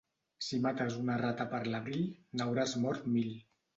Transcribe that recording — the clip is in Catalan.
Si mates una rata per l'abril, n'hauràs mort mil.